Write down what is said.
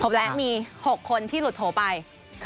แล้วมี๖คนที่หลุดโผล่ไป